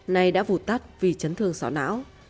nay đã vụt tắt vì chấn thương sọ não